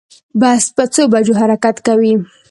بس په څو بجو حرکت کوی